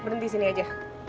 berhenti disini aja